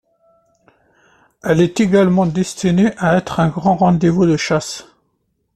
Elle est également destinée à être un grand rendez-vous de chasse.